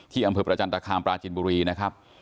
ที่องค์บรรดาจันทราคามประจินบุรีนะครับ